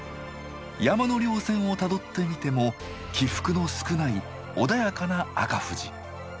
山の稜線をたどってみても起伏の少ない穏やかな赤富士。